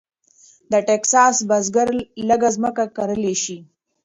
د ټیکساس بزګر لږه ځمکه کرلی شي.